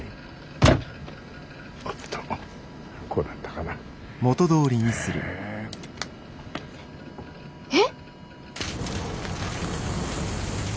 おっとこうだったかな。え？